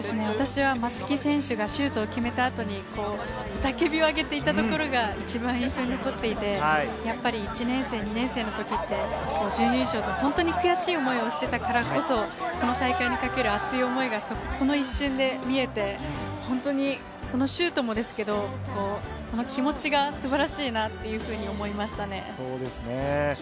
松木選手がシュートを決めた後に、雄たけびをあげていたところが一番印象に残っていて、やっぱり１年生、２年生の時って準優勝で本当に悔しい思いをしていたからこそ、この大会にかける熱い思いがその一瞬でみえて、本当にそのシュートもですが、気持ちが素晴らしいなというふうに思いました。